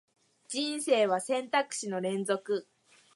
人生は選択肢の連続